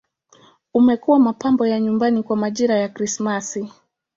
Umekuwa mapambo ya nyumbani kwa majira ya Krismasi.